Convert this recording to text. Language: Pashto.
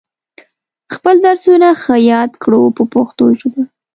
خپل درسونه ښه یاد کړو په پښتو ژبه.